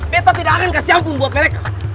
peto tidak akan kasih ampun buat mereka